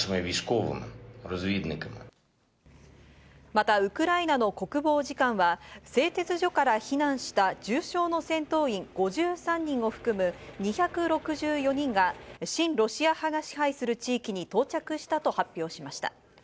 またウクライナの国防次官は製鉄所から避難した重傷の戦闘員５３人を含む２６４人が親ロシア派が支配する地域に到着したと発表しました。